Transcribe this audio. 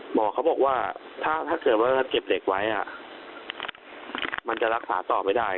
หมอเขาบอกว่าถ้าเกิดว่าเก็บเหล็กไว้มันจะรักษาต่อไม่ได้